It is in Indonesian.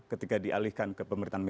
ketika dialihkan ke pemerintahan